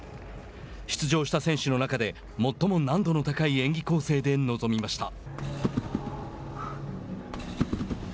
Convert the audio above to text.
出場した選手の中で最も難度の高い演技構成で臨みました。